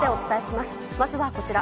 まずはこちら。